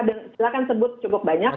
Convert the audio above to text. dan silahkan sebut cukup banyak gitu